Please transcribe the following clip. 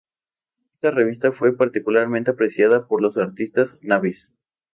Esta revista fue particularmente apreciada por los artistas Nabis.